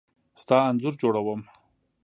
ستا انځور جوړوم .